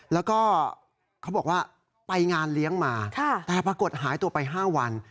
แล้วก็เขาบอกว่าไปงานเลี้ยงมาแต่ปรากฏหายตัวไป๕วัน